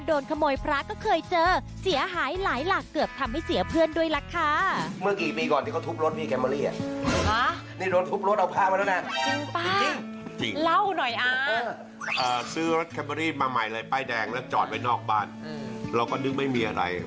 โดยมากจะเห็นเป็นผู้นำอะไรอย่างเงี้ย